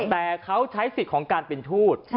แต่เขาใช้สิทธิ์ของการเป็นทูต